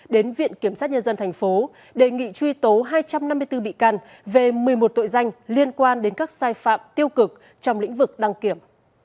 đến viện kiểm sát nhân dân tp đề nghị truy tố hai trăm năm mươi bốn bị can về một mươi một tội danh liên quan đến các sai phạm tiêu cực trong lĩnh vực đăng kiểm